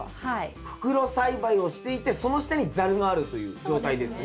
袋栽培をしていてその下にザルがあるという状態ですね。